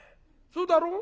そうだろう？